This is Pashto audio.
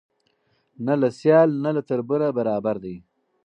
نه له سیال نه له تربوره برابر دی